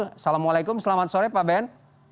assalamualaikum selamat sore pak ben